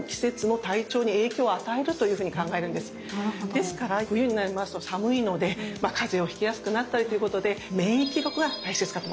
ですから冬になりますと寒いのでまあ風邪をひきやすくなったりということで免疫力が大切かと思います。